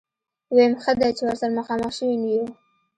ويم ښه دی چې ورسره مخامخ شوي نه يو.